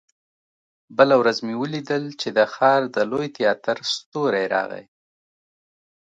بله ورځ مې ولیدل چې د ښار د لوی تياتر ستورى راغی.